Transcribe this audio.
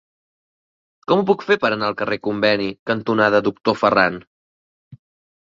Com ho puc fer per anar al carrer Conveni cantonada Doctor Ferran?